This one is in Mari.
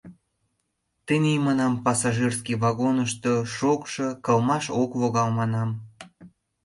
— Тений, манам, пассажирский вагонышто шокшо, кылмаш ок логал, манам.